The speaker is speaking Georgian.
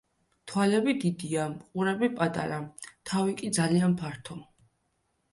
თვალები დიდია, ყურები პატარა, თავი კი ძალიან ფართო.